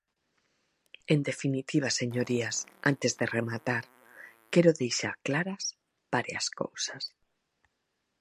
En definitiva, señorías, antes de rematar, quero deixar claras varias cousas.